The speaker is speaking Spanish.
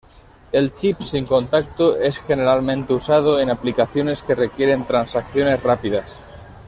El "chip" sin contacto es generalmente usado en aplicaciones que requieren transacciones rápidas.